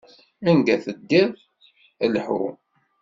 Anga teddiḍ, lḥu.